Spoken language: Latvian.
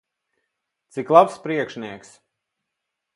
Cik labs priekšnieks!